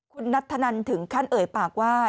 คุณนัทธนันถึงขั้นเอ่ยปากว่า